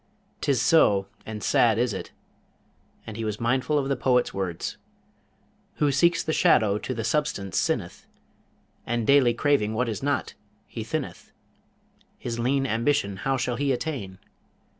'Tis so, and sad is it!' And he was mindful of the poet's words, Who seeks the shadow to the substance sinneth, And daily craving what is not, he thinneth: His lean ambition how shall he attain?